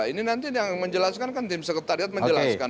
ini nanti yang menjelaskan kan tim sekretariat menjelaskan